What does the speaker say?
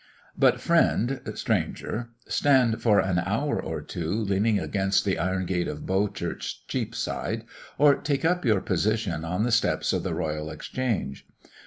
But, friend stranger, stand for an hour or two leaning against the iron gate of Bow church, Cheapside, or take up your position on the steps of the Royal Exchange.